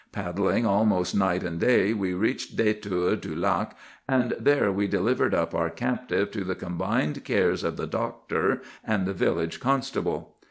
Paddling almost night and day, we reached Détour du Lac, and there we delivered up our captive to the combined cares of the doctor and the village constable.